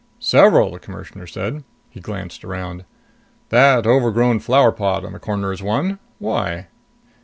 "Several," the Commissioner said. He glanced around. "That overgrown flower pot in the corner is one. Why?"